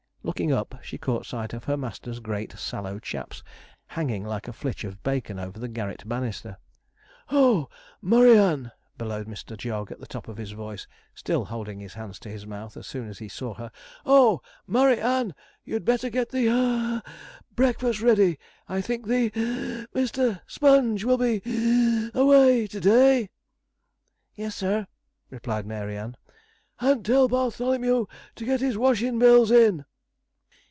Looking up, she caught sight of her master's great sallow chaps hanging like a flitch of bacon over the garret banister. 'Oh, Murry Ann,' bellowed Mr. Jog, at the top of his voice, still holding his hands to his mouth, as soon as he saw her, 'Oh, Murry Ann, you'd better get the (puff) breakfast ready; I think the Mr. Sponge will be (wheezing) away to day.' 'Yes, sir,' replied Mary Ann. 'And tell Bartholomew to get his washin' bills in.'